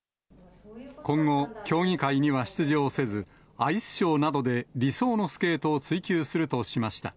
今後、競技会には出場せず、アイスショーなどで理想のスケートを追求するとしました。